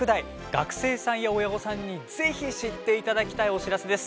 学生さんや親御さんにぜひ知っていただきたいお知らせです。